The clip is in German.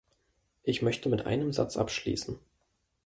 Ich möchte mit einem Satz abschließen.